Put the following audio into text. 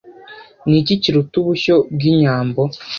Ni iki kiruta ubushyo bw' Inyambo